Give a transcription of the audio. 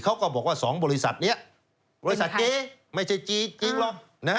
เขาก็บอกว่า๒บริษัทนี้บริษัทเจ๊ไม่ใช่จริงหรอก